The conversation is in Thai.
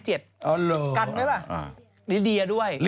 กันไหมดีดีด้วย